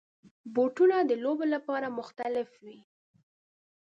بوټونه د لوبو لپاره مختلف وي.